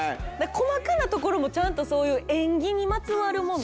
細かなところもちゃんとそういう縁起にまつわるもの。